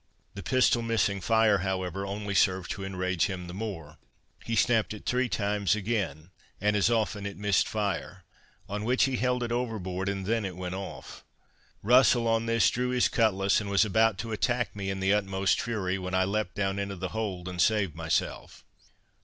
The pistol missing fire, however, only served to enrage him the more: he snapped it three times again, and as often it missed fire; on which he held it overboard, and then it went off. Russel on this drew his cutlass, and was about to attack me in the utmost fury, when I leapt down into the hold and saved myself.